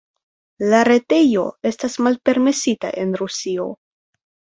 La retejo estas malpermesita en Rusio.